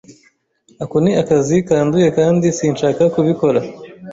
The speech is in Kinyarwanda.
Ako ni akazi kanduye kandi sinshaka kubikora.